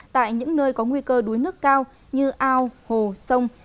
tại những nơi có nguy cơ đuối nước cao như ao hồ sông